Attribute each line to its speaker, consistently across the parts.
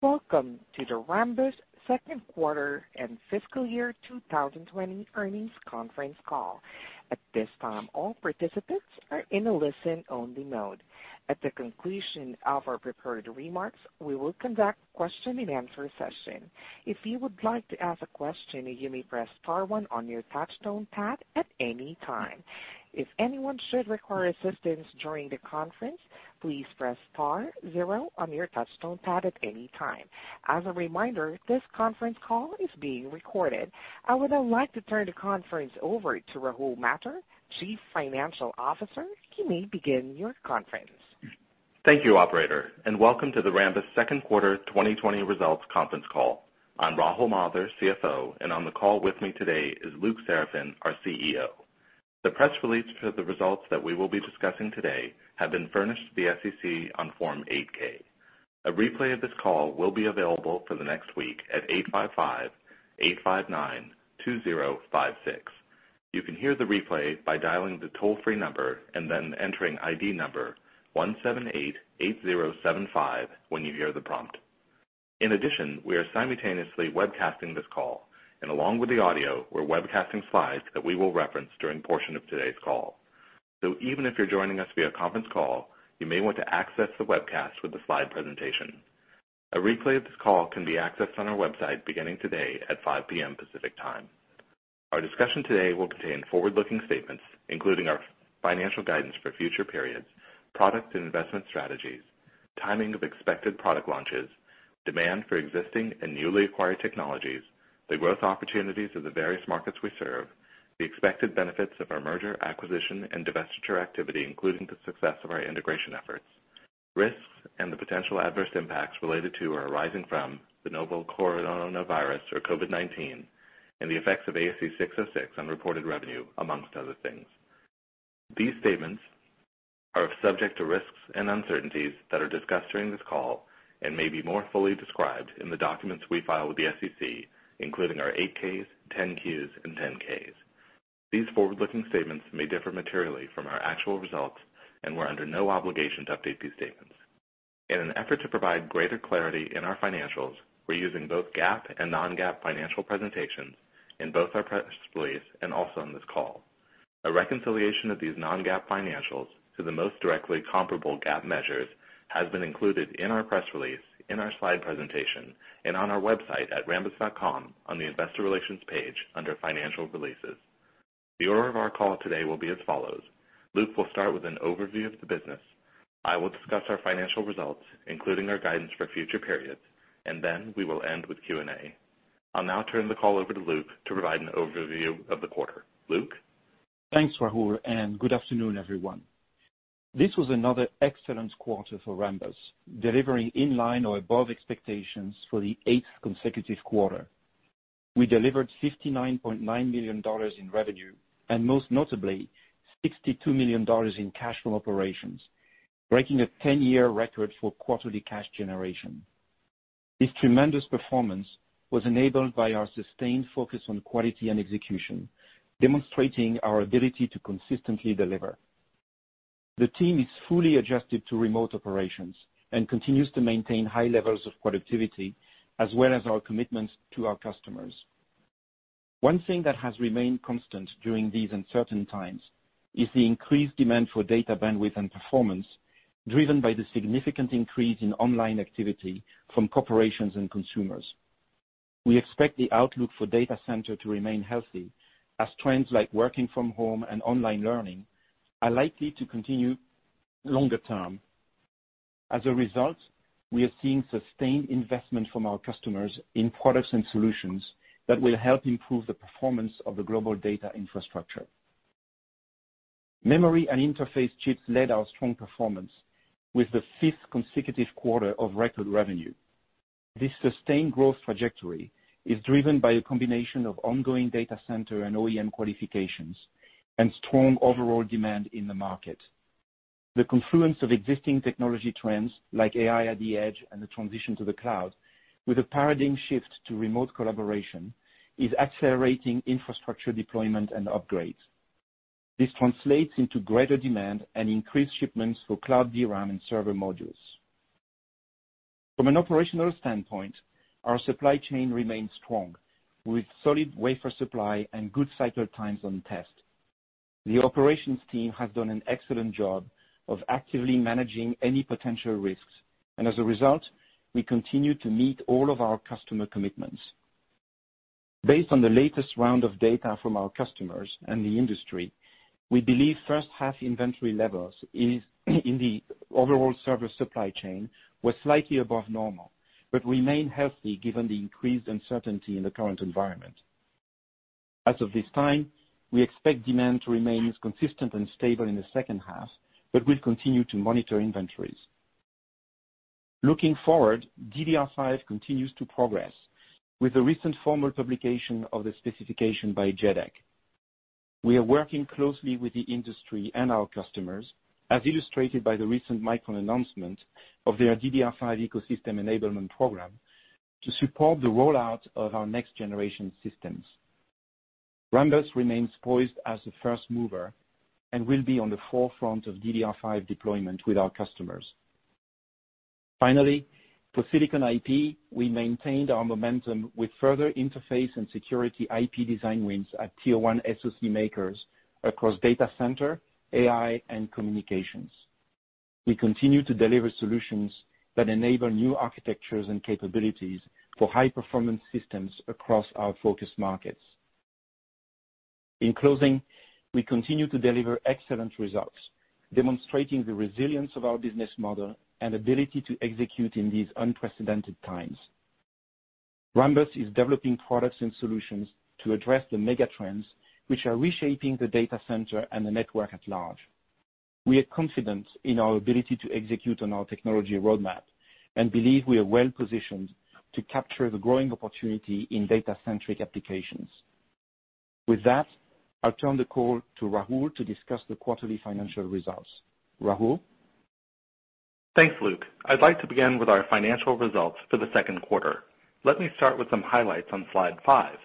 Speaker 1: Welcome to the Rambus second quarter and fiscal year 2020 earnings conference call. At this time, all participants are in a listen-only mode. At the conclusion of our prepared remarks, we will conduct a question-and-answer session. If you would like to ask a question, you may press star one on your touch-tone pad at any time. If anyone should require assistance during the conference, please press star zero on your touch-tone pad at any time. As a reminder, this conference call is being recorded. I would now like to turn the conference over to Rahul Mathur, Chief Financial Officer. You may begin your conference.
Speaker 2: Thank you, operator, welcome to the Rambus second quarter 2020 results conference call. I'm Rahul Mathur, CFO, on the call with me today is Luc Seraphin, our CEO. The press release for the results that we will be discussing today have been furnished to the SEC on Form 8-K. A replay of this call will be available for the next week at 855-859-2056. You can hear the replay by dialing the toll-free number then entering ID number 1788075 when you hear the prompt. In addition, we are simultaneously webcasting this call, along with the audio, we're webcasting slides that we will reference during portion of today's call. Even if you're joining us via conference call, you may want to access the webcast with the slide presentation. A replay of this call can be accessed on our website beginning today at 5:00 P.M. Pacific Time. Our discussion today will contain forward-looking statements, including our financial guidance for future periods, product and investment strategies, timing of expected product launches, demand for existing and newly acquired technologies, the growth opportunities of the various markets we serve, the expected benefits of our merger, acquisition, and divestiture activity, including the success of our integration efforts, risks and the potential adverse impacts related to or arising from the novel coronavirus or COVID-19, and the effects of ASC 606 on reported revenue, amongst other things. These statements are subject to risks and uncertainties that are discussed during this call and may be more fully described in the documents we file with the SEC, including our 8-Ks, 10-Qs, and 10-Ks. These forward-looking statements may differ materially from our actual results, and we're under no obligation to update these statements. In an effort to provide greater clarity in our financials, we're using both GAAP and non-GAAP financial presentations in both our press release and also on this call. A reconciliation of these non-GAAP financials to the most directly comparable GAAP measures has been included in our press release, in our slide presentation, and on our website at rambus.com, on the Investor Relations page under financial releases. The order of our call today will be as follows. Luc will start with an overview of the business. I will discuss our financial results, including our guidance for future periods, and then we will end with Q&A. I'll now turn the call over to Luc to provide an overview of the quarter. Luc?
Speaker 3: Thanks, Rahul, and good afternoon, everyone. This was another excellent quarter for Rambus, delivering in line or above expectations for the eighth consecutive quarter. We delivered $59.9 million in revenue and, most notably, $62 million in cash from operations, breaking a 10-year record for quarterly cash generation. This tremendous performance was enabled by our sustained focus on quality and execution, demonstrating our ability to consistently deliver. The team is fully adjusted to remote operations and continues to maintain high levels of productivity as well as our commitments to our customers. One thing that has remained constant during these uncertain times is the increased demand for data bandwidth and performance, driven by the significant increase in online activity from corporations and consumers. We expect the outlook for data center to remain healthy as trends like working from home and online learning are likely to continue longer term. As a result, we are seeing sustained investment from our customers in products and solutions that will help improve the performance of the global data infrastructure. memory interface chips led our strong performance with the fifth consecutive quarter of record revenue. This sustained growth trajectory is driven by a combination of ongoing data center and OEM qualifications and strong overall demand in the market. The confluence of existing technology trends like AI at the edge and the transition to the cloud with a paradigm shift to remote collaboration is accelerating infrastructure deployment and upgrades. This translates into greater demand and increased shipments for cloud DRAM and server modules. From an operational standpoint, our supply chain remains strong, with solid wafer supply and good cycle times on test. The operations team has done an excellent job of actively managing any potential risks, and as a result, we continue to meet all of our customer commitments. Based on the latest round of data from our customers and the industry, we believe first half inventory levels in the overall server supply chain were slightly above normal, but remain healthy given the increased uncertainty in the current environment. As of this time, we expect demand to remain consistent and stable in the second half, but we'll continue to monitor inventories. Looking forward, DDR5 continues to progress with the recent formal publication of the specification by JEDEC. We are working closely with the industry and our customers, as illustrated by the recent Micron announcement of their DDR5 ecosystem enablement program to support the rollout of our next generation systems. Rambus remains poised as the first mover and will be on the forefront of DDR5 deployment with our customers. Finally, for silicon IP, we maintained our momentum with further interface and security IP design wins at Tier 1 SoC makers across data center, AI, and communications. We continue to deliver solutions that enable new architectures and capabilities for high-performance systems across our focus markets. In closing, we continue to deliver excellent results, demonstrating the resilience of our business model and ability to execute in these unprecedented times. Rambus is developing products and solutions to address the mega trends which are reshaping the data center and the network at large. We are confident in our ability to execute on our technology roadmap and believe we are well-positioned to capture the growing opportunity in data-centric applications. With that, I'll turn the call to Rahul to discuss the quarterly financial results. Rahul?
Speaker 2: Thanks, Luc. I'd like to begin with our financial results for the second quarter. Let me start with some highlights on slide five.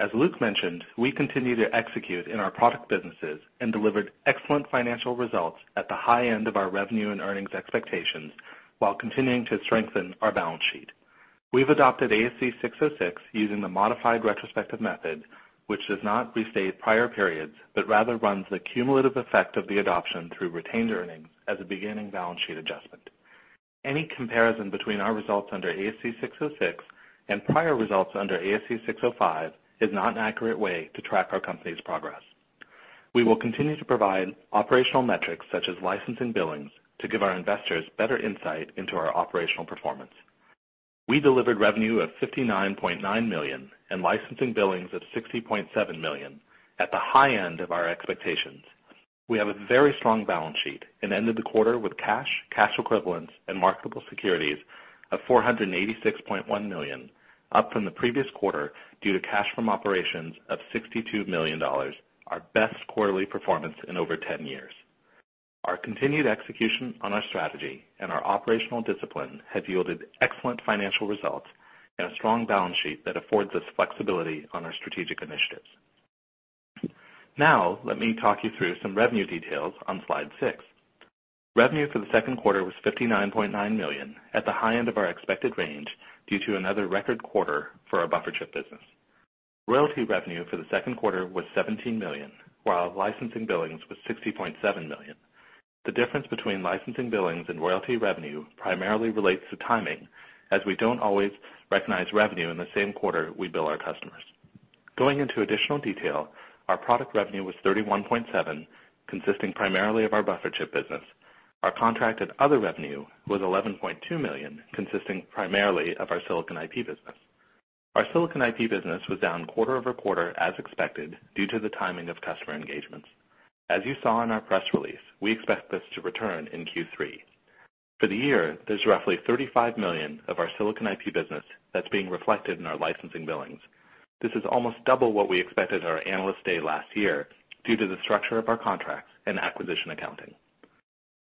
Speaker 2: As Luc mentioned, we continue to execute in our product businesses and delivered excellent financial results at the high end of our revenue and earnings expectations while continuing to strengthen our balance sheet. We've adopted ASC 606 using the modified retrospective method, which does not restate prior periods, but rather runs the cumulative effect of the adoption through retained earnings as a beginning balance sheet adjustment. Any comparison between our results under ASC 606 and prior results under ASC 605 is not an accurate way to track our company's progress. We will continue to provide operational metrics such as license and billings to give our investors better insight into our operational performance. We delivered revenue of $59.9 million and licensing billings of $60.7 million at the high end of our expectations. We have a very strong balance sheet and ended the quarter with cash equivalents, and marketable securities of $486.1 million, up from the previous quarter due to cash from operations of $62 million, our best quarterly performance in over 10 years. Our continued execution on our strategy and our operational discipline have yielded excellent financial results and a strong balance sheet that affords us flexibility on our strategic initiatives. Let me talk you through some revenue details on slide six. Revenue for the second quarter was $59.9 million at the high end of our expected range due to another record quarter for our buffer chip business. Royalty revenue for the second quarter was $17 million, while licensing billings was $60.7 million. The difference between licensing billings and royalty revenue primarily relates to timing, as we don't always recognize revenue in the same quarter we bill our customers. Going into additional detail, our product revenue was $31.7 million, consisting primarily of our buffer chip business. Our contracted other revenue was $11.2 million, consisting primarily of our silicon IP business. Our silicon IP business was down quarter-over-quarter, as expected, due to the timing of customer engagements. As you saw in our press release, we expect this to return in Q3. For the year, there's roughly $35 million of our silicon IP business that's being reflected in our licensing billings. This is almost double what we expected at our Analyst Day last year due to the structure of our contracts and acquisition accounting.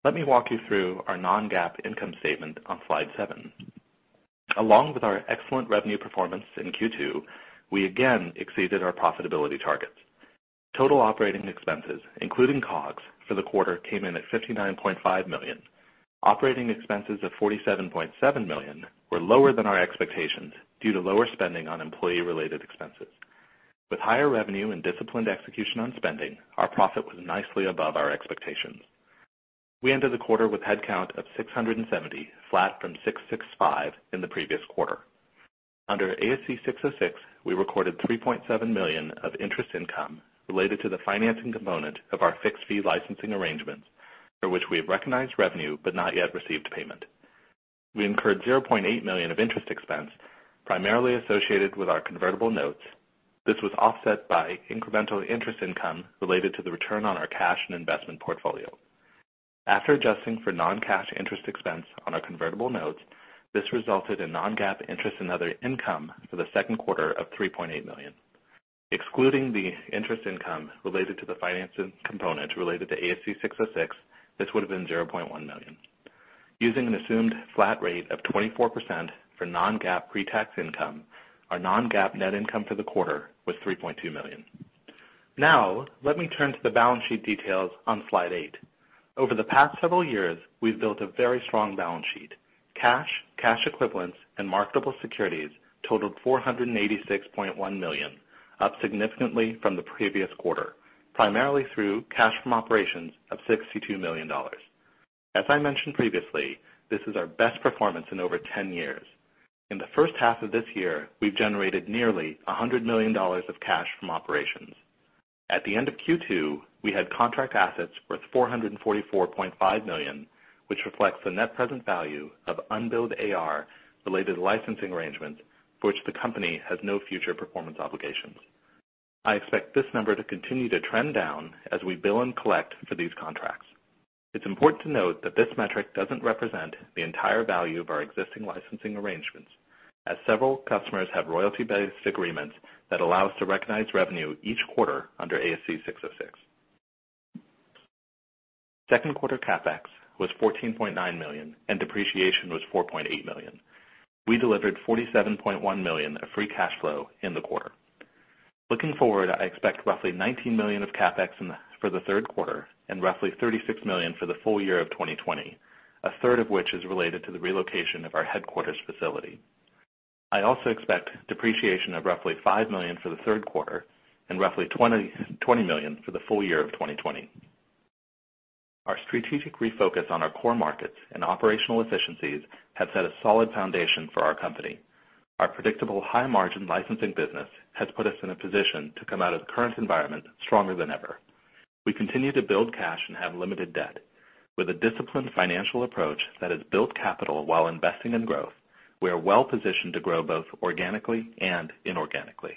Speaker 2: Let me walk you through our non-GAAP income statement on slide seven. Along with our excellent revenue performance in Q2, we again exceeded our profitability targets. Total operating expenses, including COGS for the quarter, came in at $59.5 million. Operating expenses of $47.7 million were lower than our expectations due to lower spending on employee-related expenses. With higher revenue and disciplined execution on spending, our profit was nicely above our expectations. We ended the quarter with headcount of 670, flat from 665 in the previous quarter. Under ASC 606, we recorded $3.7 million of interest income related to the financing component of our fixed-fee licensing arrangements, for which we have recognized revenue but not yet received payment. We incurred $0.8 million of interest expense, primarily associated with our convertible notes. This was offset by incremental interest income related to the return on our cash and investment portfolio. After adjusting for non-GAAP interest expense on our convertible notes, this resulted in non-GAAP interest and other income for the second quarter of $3.8 million. Excluding the interest income related to the financing component related to ASC 606, this would have been $0.1 million. Using an assumed flat rate of 24% for non-GAAP pre-tax income, our non-GAAP net income for the quarter was $3.2 million. Now, let me turn to the balance sheet details on slide eight. Over the past several years, we've built a very strong balance sheet. Cash, cash equivalents, and marketable securities totaled $486.1 million, up significantly from the previous quarter, primarily through cash from operations of $62 million. As I mentioned previously, this is our best performance in over 10 years. In the first half of this year, we've generated nearly $100 million of cash from operations. At the end of Q2, we had contract assets worth $444.5 million, which reflects the net present value of unbilled AR related licensing arrangements for which the company has no future performance obligations. I expect this number to continue to trend down as we bill and collect for these contracts. It's important to note that this metric doesn't represent the entire value of our existing licensing arrangements, as several customers have royalty-based agreements that allow us to recognize revenue each quarter under ASC 606. Second quarter CapEx was $14.9 million, and depreciation was $4.8 million. We delivered $47.1 million of free cash flow in the quarter. Looking forward, I expect roughly $19 million of CapEx for the third quarter and roughly $36 million for the full year of 2020, a third of which is related to the relocation of our headquarters facility. I also expect depreciation of roughly $5 million for the third quarter and roughly $20 million for the full year of 2020. Our strategic refocus on our core markets and operational efficiencies have set a solid foundation for our company. Our predictable high-margin licensing business has put us in a position to come out of the current environment stronger than ever. We continue to build cash and have limited debt. With a disciplined financial approach that has built capital while investing in growth, we are well positioned to grow both organically and inorganically.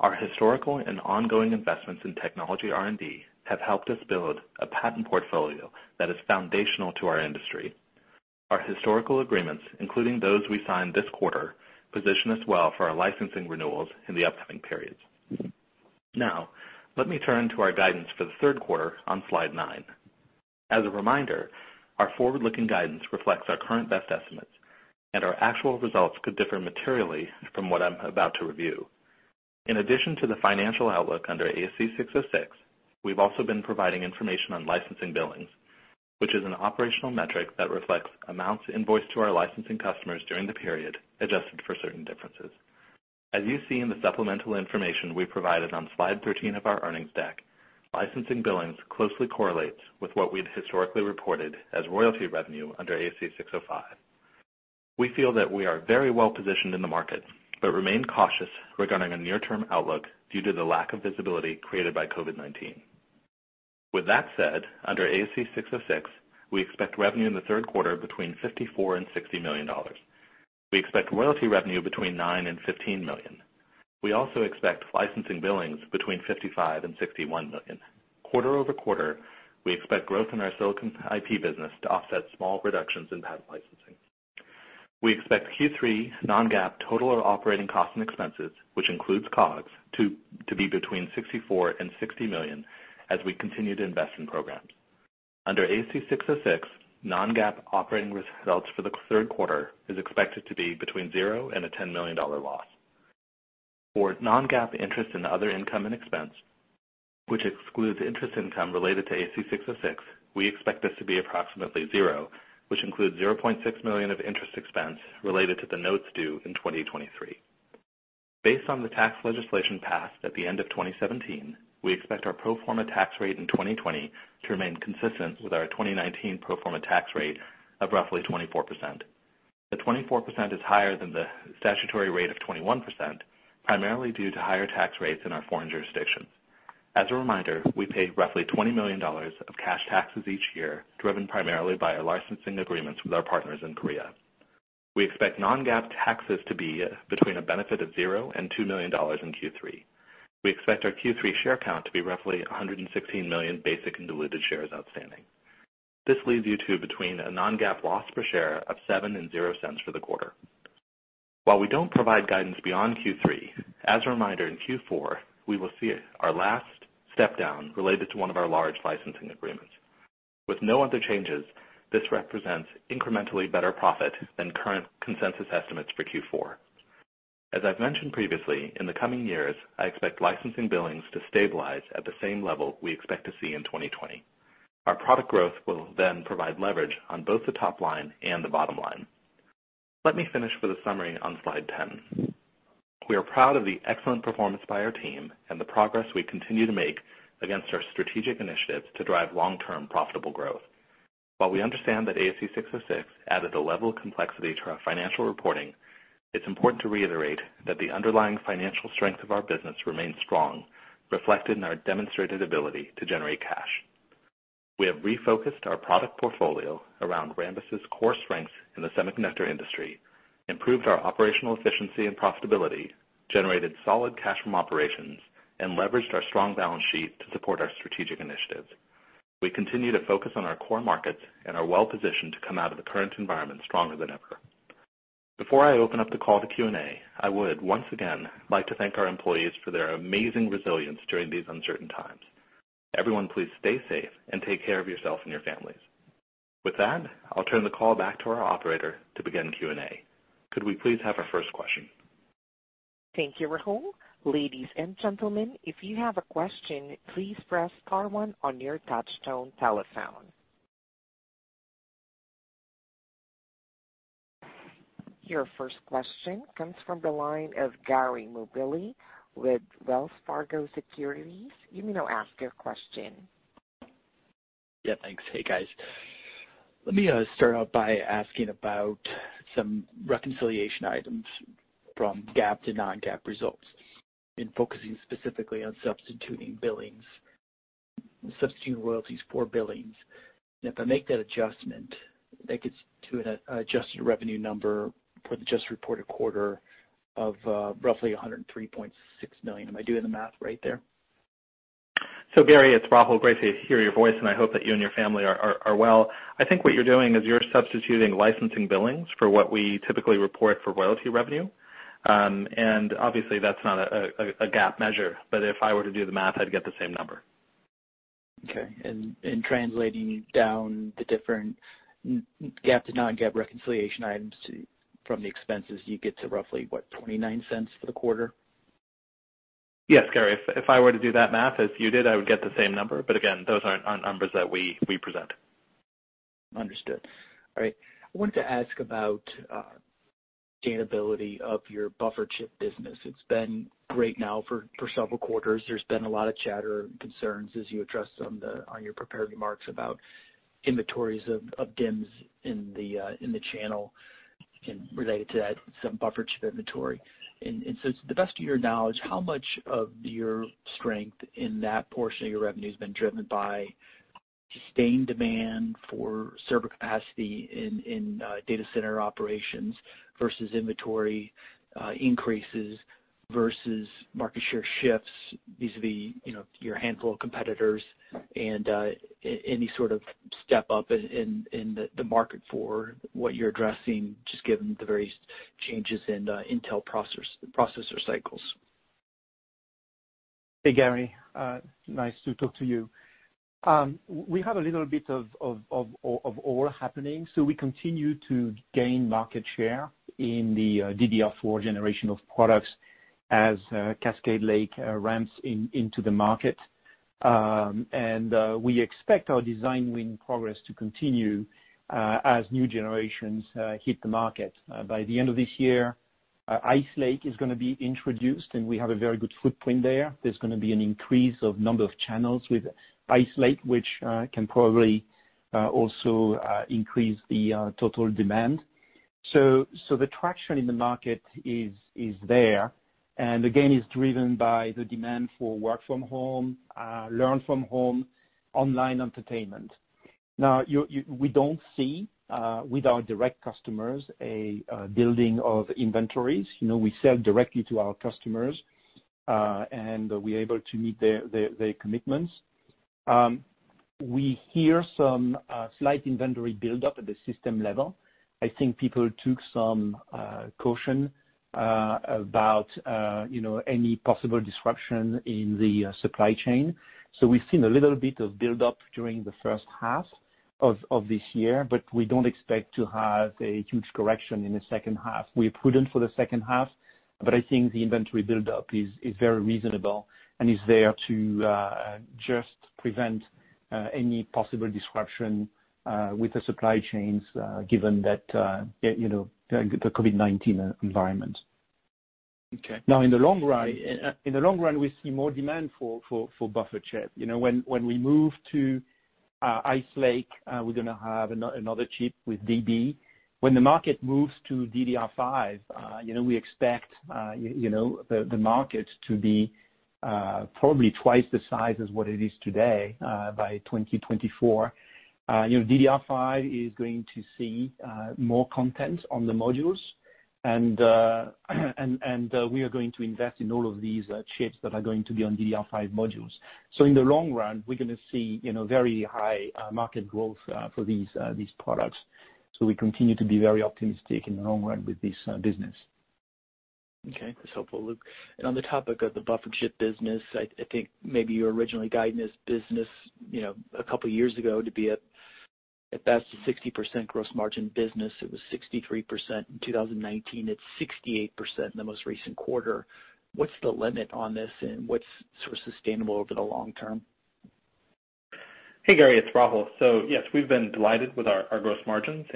Speaker 2: Our historical and ongoing investments in technology R&D have helped us build a patent portfolio that is foundational to our industry. Our historical agreements, including those we signed this quarter, position us well for our licensing renewals in the upcoming periods. Let me turn to our guidance for the third quarter on slide nine. As a reminder, our forward-looking guidance reflects our current best estimates, and our actual results could differ materially from what I'm about to review. In addition to the financial outlook under ASC 606, we've also been providing information on licensing billings, which is an operational metric that reflects amounts invoiced to our licensing customers during the period, adjusted for certain differences. As you see in the supplemental information we provided on slide 13 of our earnings deck, licensing billings closely correlates with what we'd historically reported as royalty revenue under ASC 605. We feel that we are very well positioned in the market but remain cautious regarding a near-term outlook due to the lack of visibility created by COVID-19. With that said, under ASC 606, we expect revenue in the third quarter between $54 million and $60 million. We expect royalty revenue between $9 million and $15 million. We also expect licensing billings between $55 million and $61 million. Quarter-over-quarter, we expect growth in our silicon IP business to offset small reductions in patent licensing. We expect Q3 non-GAAP total operating costs and expenses, which includes COGS, to be between $64 million and $60 million as we continue to invest in programs. Under ASC 606, non-GAAP operating results for the third quarter is expected to be between $0 and a $10 million loss. For non-GAAP interest in other income and expense, which excludes interest income related to ASC 606, we expect this to be approximately $0, which includes $0.6 million of interest expense related to the notes due in 2023. Based on the tax legislation passed at the end of 2017, we expect our pro forma tax rate in 2020 to remain consistent with our 2019 pro forma tax rate of roughly 24%. The 24% is higher than the statutory rate of 21%, primarily due to higher tax rates in our foreign jurisdictions. As a reminder, we pay roughly $20 million of cash taxes each year, driven primarily by our licensing agreements with our partners in Korea. We expect non-GAAP taxes to be between a benefit of $0 and $2 million in Q3. We expect our Q3 share count to be roughly 116 million basic and diluted shares outstanding. This leaves you to between a non-GAAP loss per share of $0.07 and $0 for the quarter. While we don't provide guidance beyond Q3, as a reminder, in Q4, we will see our last step down related to one of our large licensing agreements. With no other changes, this represents incrementally better profit than current consensus estimates for Q4. As I've mentioned previously, in the coming years, I expect licensing billings to stabilize at the same level we expect to see in 2020. Our product growth will provide leverage on both the top line and the bottom line. Let me finish with a summary on slide 10. We are proud of the excellent performance by our team and the progress we continue to make against our strategic initiatives to drive long-term profitable growth. While we understand that ASC 606 added a level of complexity to our financial reporting, it's important to reiterate that the underlying financial strength of our business remains strong, reflected in our demonstrated ability to generate cash. We have refocused our product portfolio around Rambus's core strengths in the semiconductor industry, improved our operational efficiency and profitability, generated solid cash from operations, and leveraged our strong balance sheet to support our strategic initiatives. We continue to focus on our core markets and are well positioned to come out of the current environment stronger than ever. Before I open up the call to Q&A, I would once again like to thank our employees for their amazing resilience during these uncertain times. Everyone, please stay safe and take care of yourself and your families. With that, I'll turn the call back to our operator to begin Q&A. Could we please have our first question?
Speaker 1: Thank you, Rahul. Ladies and gentlemen, if you have a question, please press star one on your touch-tone telephone. Your first question comes from the line of Gary Mobley with Wells Fargo Securities. You may now ask your question.
Speaker 4: Yeah, thanks. Hey, guys. Let me start out by asking about some reconciliation items from GAAP to non-GAAP results and focusing specifically on substituting royalties for billings. If I make that adjustment, that gets to an adjusted revenue number for the just reported quarter of roughly $103.6 million. Am I doing the math right there?
Speaker 2: Gary, it's Rahul. Great to hear your voice, and I hope that you and your family are well. I think what you're doing is you're substituting licensing billings for what we typically report for royalty revenue. Obviously, that's not a GAAP measure, but if I were to do the math, I'd get the same number.
Speaker 4: Okay. Translating down the different GAAP to non-GAAP reconciliation items from the expenses, you get to roughly, what, $0.29 for the quarter?
Speaker 2: Yes, Gary. If I were to do that math as you did, I would get the same number. Again, those aren't numbers that we present.
Speaker 4: Understood. All right. I wanted to ask about gainability of your buffer chip business. It's been great now for several quarters. There's been a lot of chatter and concerns as you addressed on your prepared remarks about inventories of DIMMs in the channel, and related to that, some buffer chip inventory. To the best of your knowledge, how much of your strength in that portion of your revenue has been driven by sustained demand for server capacity in data center operations versus inventory increases versus market share shifts vis-a-vis your handful of competitors and any sort of step-up in the market for what you're addressing, just given the various changes in Intel processor cycles?
Speaker 3: Hey, Gary. Nice to talk to you. We have a little bit of all happening. We continue to gain market share in the DDR4 generation of products as Cascade Lake ramps into the market. We expect our design win progress to continue as new generations hit the market. By the end of this year, Ice Lake is going to be introduced, and we have a very good footprint there. There's going to be an increase of number of channels with Ice Lake, which can probably also increase the total demand. The traction in the market is there, and again, is driven by the demand for work from home, learn from home, online entertainment. Now, we don't see, with our direct customers, a building of inventories. We sell directly to our customers, and we're able to meet their commitments. We hear some slight inventory build-up at the system level. I think people took some caution about any possible disruption in the supply chain. We've seen a little bit of build-up during the first half of this year, but we don't expect to have a huge correction in the second half. We're prudent for the second half, but I think the inventory build-up is very reasonable and is there to just prevent any possible disruption with the supply chains, given the COVID-19 environment.
Speaker 4: Okay.
Speaker 3: In the long run, we see more demand for buffer chip. When we move to Ice Lake, we're going to have another chip with DB. When the market moves to DDR5, we expect the market to be probably twice the size as what it is today by 2024. DDR5 is going to see more content on the modules, and we are going to invest in all of these chips that are going to be on DDR5 modules. In the long run, we're going to see very high market growth for these products. We continue to be very optimistic in the long run with this business.
Speaker 4: Okay. That's helpful, Luc. On the topic of the buffer chip business, I think maybe you were originally guiding this business a couple of years ago to be at best a 60% gross margin business. It was 63% in 2019. It's 68% in the most recent quarter. What's the limit on this, and what's sort of sustainable over the long term?
Speaker 2: Hey, Gary, it's Rahul. Yes, we've been delighted with our gross margins.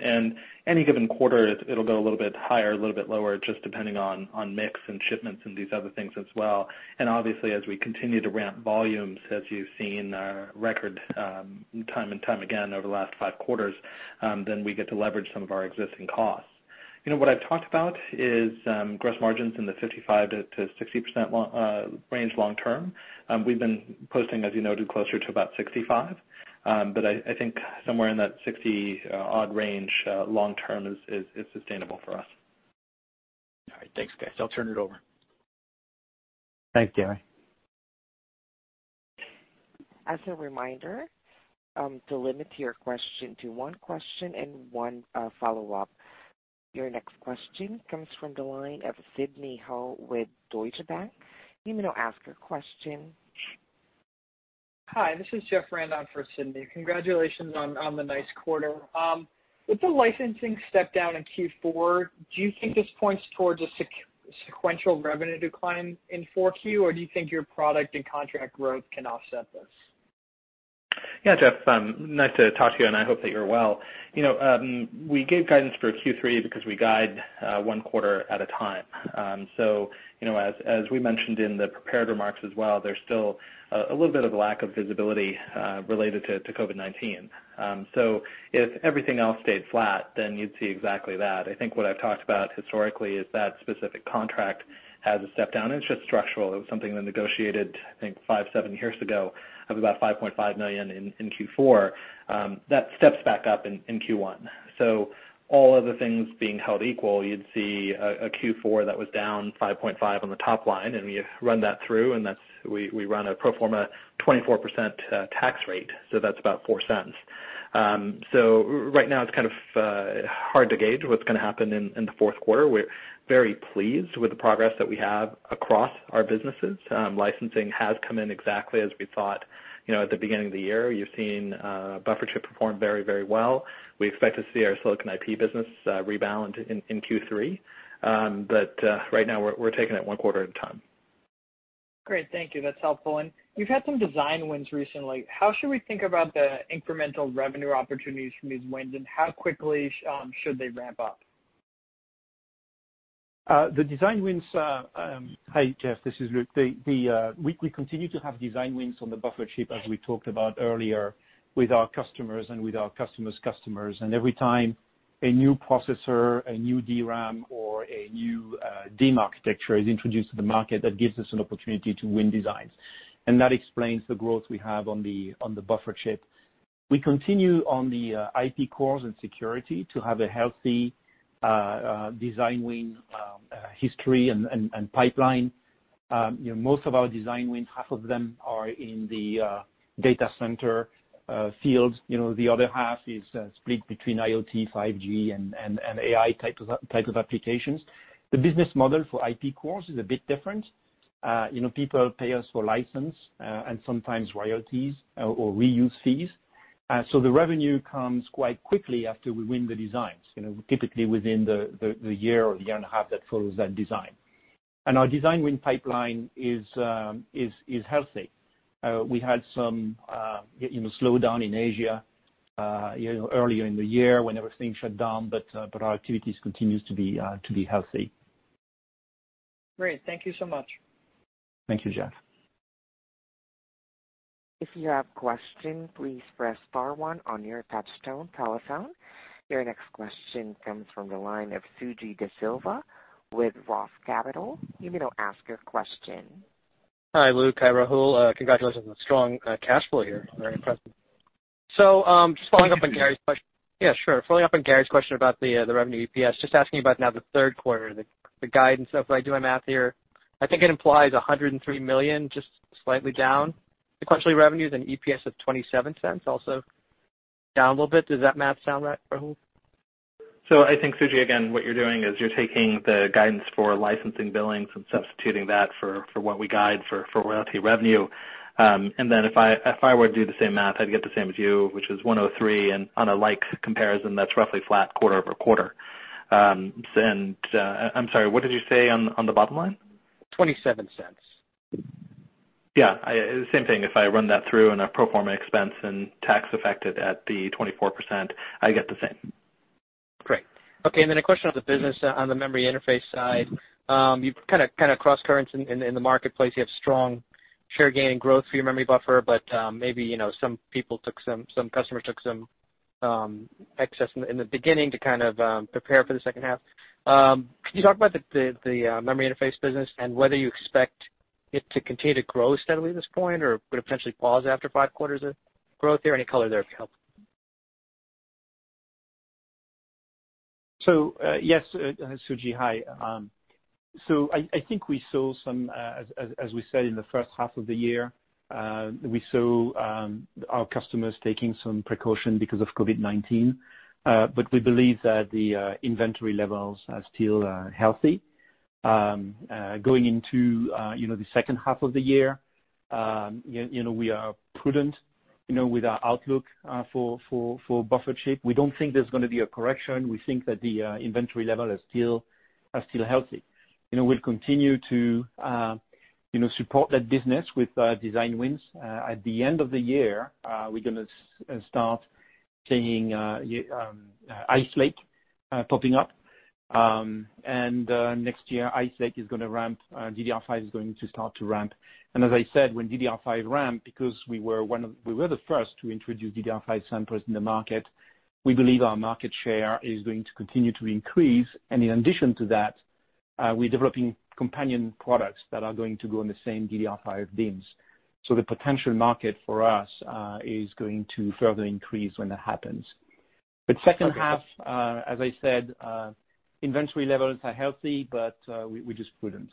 Speaker 2: Any given quarter, it'll go a little bit higher, a little bit lower, just depending on mix and shipments and these other things as well. Obviously, as we continue to ramp volumes, as you've seen our record time and time again over the last five quarters, we get to leverage some of our existing costs. What I've talked about is gross margins in the 55%-60% range long term. We've been posting, as you noted, closer to about 65%. I think somewhere in that 60%-odd range long term is sustainable for us.
Speaker 4: All right. Thanks, guys. I'll turn it over.
Speaker 3: Thanks, Gary.
Speaker 1: As a reminder, to limit your question to one question and one follow-up. Your next question comes from the line of Sidney Ho with Deutsche Bank. You may now ask your question.
Speaker 5: Hi, this is Jeff Rand on for Sidney. Congratulations on the nice quarter. With the licensing step down in Q4, do you think this points towards a sequential revenue decline in 4Q, or do you think your product and contract growth can offset this?
Speaker 2: Yeah, Jeff. Nice to talk to you, and I hope that you're well. We gave guidance for Q3 because we guide one quarter at a time. As we mentioned in the prepared remarks as well, there's still a little bit of a lack of visibility related to COVID-19. If everything else stayed flat, you'd see exactly that. I think what I've talked about historically is that specific contract has a step down. It's just structural. It was something that negotiated, I think, five, seven years ago of about $5.5 million in Q4. That steps back up in Q1. All other things being held equal, you'd see a Q4 that was down 5.5 on the top line, you run that through, we run a pro forma 24% tax rate, that's about $0.04. Right now it's kind of hard to gauge what's going to happen in the fourth quarter. We're very pleased with the progress that we have across our businesses. Licensing has come in exactly as we thought at the beginning of the year. You're seeing buffer chip perform very well. We expect to see our silicon IP business rebound in Q3. Right now we're taking it one quarter at a time.
Speaker 5: Great. Thank you. That's helpful. You've had some design wins recently. How should we think about the incremental revenue opportunities from these wins and how quickly should they ramp up?
Speaker 3: The design wins. Hi, Jeff, this is Luc. We continue to have design wins on the buffer chip, as we talked about earlier, with our customers and with our customer's customers. Every time a new processor, a new DRAM, or a new DIMM architecture is introduced to the market, that gives us an opportunity to win designs. That explains the growth we have on the buffer chip. We continue on the IP cores and security to have a healthy design win history and pipeline. Most of our design wins, half of them are in the data center field. The other half is split between IoT, 5G, and AI types of applications. The business model for IP cores is a bit different. People pay us for license, and sometimes royalties or reuse fees. The revenue comes quite quickly after we win the designs, typically within the year or year and a half that follows that design. Our design win pipeline is healthy. We had some slowdown in Asia earlier in the year when everything shut down. Our activities continues to be healthy.
Speaker 5: Great. Thank you so much.
Speaker 3: Thank you, Jeff.
Speaker 1: If you have a question, please press star one on your touch-tone telephone. Your next question comes from the line of Suji Desilva with ROTH Capital. You may now ask your question.
Speaker 6: Hi, Luc, hi, Rahul. Congratulations on the strong cash flow here. Very impressive. Just following up on Gary's question. Yeah, sure. Following up on Gary's question about the revenue EPS, just asking about now the third quarter, the guidance stuff. If I do my math here, I think it implies $103 million, just slightly down sequentially revenues and EPS of $0.27, also down a little bit. Does that math sound right, Rahul?
Speaker 2: I think, Suji, again, what you're doing is you're taking the guidance for licensing billings and substituting that for what we guide for royalty revenue. Then if I were to do the same math, I'd get the same as you, which is 103. On a like comparison, that's roughly flat quarter-over-quarter. I'm sorry, what did you say on the bottom line?
Speaker 6: $0.27.
Speaker 2: Yeah. Same thing. If I run that through in a pro forma expense and tax affected at the 24%, I get the same.
Speaker 6: Great. Okay, a question on the business on the memory interface side. You've kind of cross currents in the marketplace. You have strong share gain and growth for your memory buffer, maybe some customers took some excess in the beginning to kind of prepare for the second half. Can you talk about the memory interface business and whether you expect it to continue to grow steadily at this point, or would it potentially pause after five quarters of growth there? Any color there would help.
Speaker 3: Yes, Suji. Hi. I think we saw some, as we said, in the first half of the year, we saw our customers taking some precaution because of COVID-19. We believe that the inventory levels are still healthy. Going into the second half of the year, we are prudent with our outlook for buffer chip. We don't think there's going to be a correction. We think that the inventory level are still healthy. We'll continue to support that business with design wins. At the end of the year, we're going to start seeing Ice Lake popping up. Next year, Ice Lake is going to ramp, DDR5 is going to start to ramp. As I said, when DDR5 ramp, because we were the first to introduce DDR5 samples in the market, we believe our market share is going to continue to increase. In addition to that, we're developing companion products that are going to go on the same DDR5 DIMMs. The potential market for us is going to further increase when that happens. Second half, as I said, inventory levels are healthy, but we're just prudent.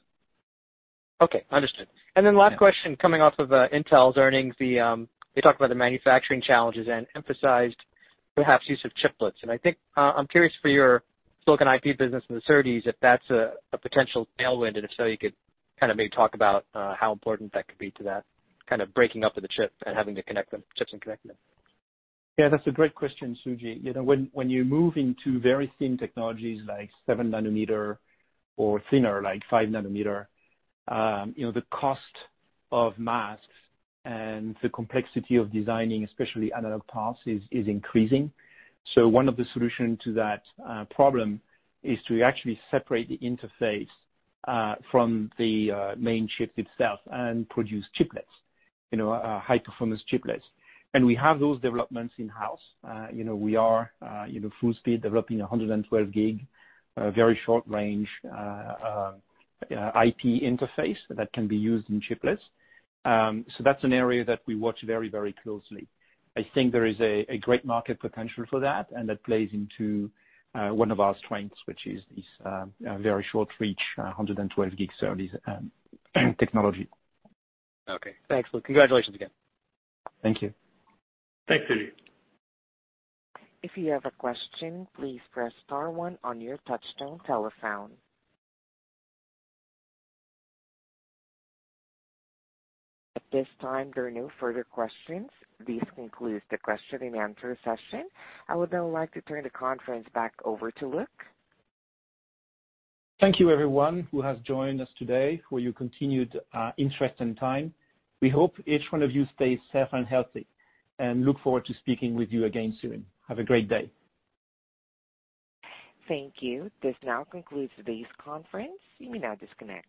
Speaker 6: Okay, understood. Last question, coming off of Intel's earnings, they talked about the manufacturing challenges and emphasized perhaps use of chiplets. I think I'm curious for your silicon IP business and the SerDes, if that's a potential tailwind, and if so, you could kind of maybe talk about how important that could be to that kind of breaking up of the chips and connecting them.
Speaker 3: Yeah, that's a great question, Suji. When you move into very thin technologies like seven nanometer or thinner, like five nanometer, the cost of masks and the complexity of designing, especially analog parts, is increasing. One of the solution to that problem is to actually separate the interface from the main chip itself and produce chiplets, high performance chiplets. We have those developments in-house. We are full speed developing 112G, very short range IP interface that can be used in chiplets. That's an area that we watch very closely. I think there is a great market potential for that, and that plays into one of our strengths, which is a very short reach, 112G SerDes technology.
Speaker 6: Okay. Thanks, Luc. Congratulations again.
Speaker 3: Thank you.
Speaker 2: Thanks, Suji.
Speaker 1: If you have a question, please press star one on your touch-tone telephone. At this time, there are no further questions. This concludes the question-and-answer session. I would now like to turn the conference back over to Luc.
Speaker 3: Thank you everyone who has joined us today for your continued interest and time. We hope each one of you stays safe and healthy and look forward to speaking with you again soon. Have a great day.
Speaker 1: Thank you. This now concludes today's conference. You may now disconnect.